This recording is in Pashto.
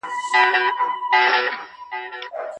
سپی د غلام وفادار ملګری و.